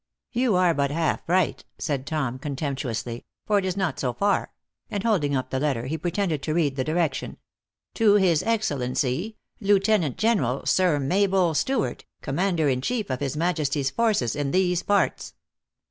" You are but half right," said Tom, contemptuous ly ; "for it is not so far," and, holding up the letter, he pretended to read the direction :" c To his excel lency, Lieutenant General Sir Mabel Stewart, com mander in chief of his majesty s forces in these parts.